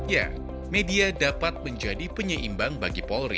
ya media dapat menjadi penyeimbang bagi polri